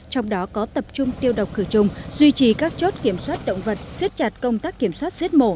trong đó có tập trung tiêu độc khử trùng duy trì các chốt kiểm soát động vật siết chặt công tác kiểm soát giết mổ